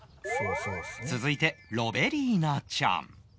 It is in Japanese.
続いてロベリーナちゃん